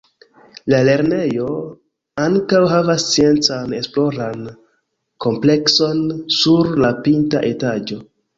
La lernejo ankaŭ havas Sciencan Esploran Komplekson sur la pinta etaĝo.